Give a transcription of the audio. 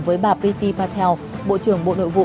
với bà betty patel bộ trưởng bộ nội vụ